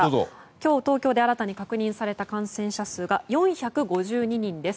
今日、東京で新たに確認された感染者数が４５２人です。